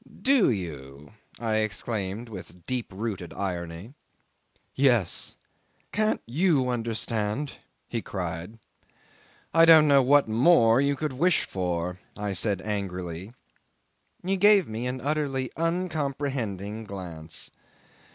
"Do you?" I exclaimed with deep rooted irony. "Yes! Can't you understand?" he cried. "I don't know what more you could wish for," I said angrily. He gave me an utterly uncomprehending glance.